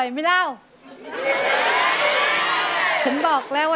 ไม่เคย